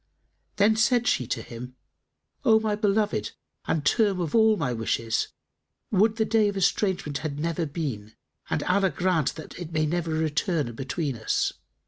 Then said she to him, "O my beloved and term of all my wishes, would the day of estrangement had never been and Allah grant it may never return between us!"